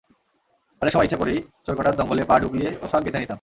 অনেক সময় ইচ্ছে করেই চোরকাঁটার দঙ্গলে পা ডুবিয়ে পোশাক গেঁথে নিতাম।